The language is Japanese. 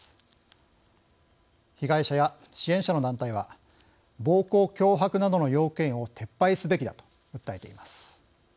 被害者や支援者の団体は暴行・脅迫などの要件を撤廃すべきだと訴えています。